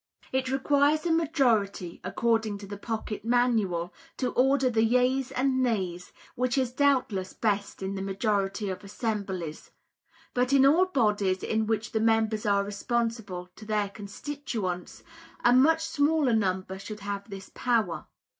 It requires a majority, according to the Pocket Manual, to order the yeas and nays, which is doubtless best in the majority of assemblies; but in all bodies in which the members are responsible to their constituents, a much smaller number should have this power.